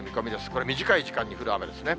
これ、短い時間に降る雨ですね。